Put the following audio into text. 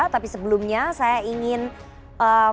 tapi sebelumnya saya ingin menyampaikan